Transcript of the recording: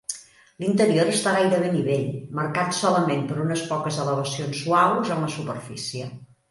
L'interior està gairebé a nivell, marcat solament per unes poques elevacions suaus en la superfície.